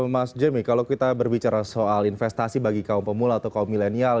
mas jermy kalau kita berbicara soal investasi bagi kaum pemula atau kaum milenial